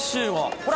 ほら。